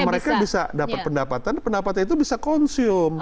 dan mereka bisa dapat pendapatan pendapatan itu bisa konsum